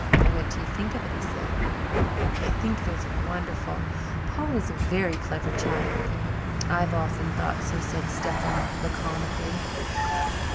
"What do you think of it?" he said. "I think it is wonderful. Paul is a very clever child." "I've often thought so," said Stephen laconically.